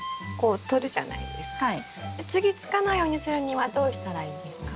次つかないようにするにはどうしたらいいんですか？